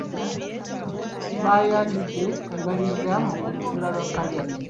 Baayanjudde embalirira mu lutuula lwa paalamenti.